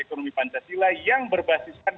ekonomi pancasila yang berbasiskan